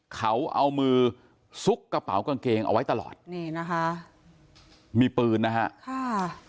เขาเอามือซุกกระเป๋ากางเกงเอาไว้ตลอดนี่นะคะมีปืนนะฮะค่ะ